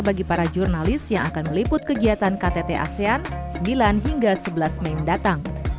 bagi para jurnalis yang akan meliput kegiatan ktt asean sembilan hingga sebelas mei mendatang